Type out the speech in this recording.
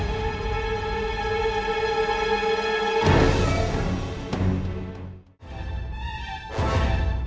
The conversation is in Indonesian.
aku gorong dua sampai gak untuk bawa ve